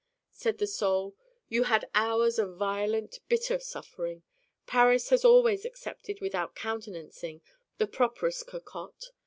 Said the Soul: 'You had hours of violent bitter suffering. Paris has always accepted without countenancing the properous cocotte.